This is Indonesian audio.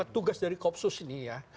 tugas dari koopsus ini ya